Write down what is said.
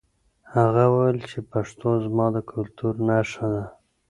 هغه وویل چې پښتو زما د کلتور نښه ده.